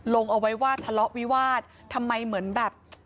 ลงเอาไว้ว่าทะเลาะวิวาสทำไมเหมือนแบบ